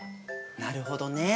なるほどね。